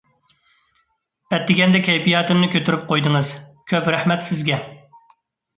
ئەتىگەندە كەيپىياتىمنى كۆتۈرۈپ قويدىڭىز، كۆپ رەھمەت سىزگە!